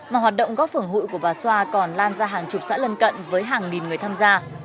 mà hoạt động góp phưởng hụi của bà xoa còn lan ra hàng chục xã lân cận với hàng nghìn người tham gia